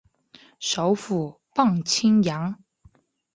首府磅清扬。